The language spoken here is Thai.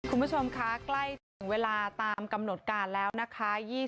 คุณผู้ชมคะใกล้จะถึงเวลาตามกำหนดการแล้วนะคะ